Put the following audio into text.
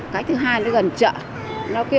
cái thứ hai nó gần chợ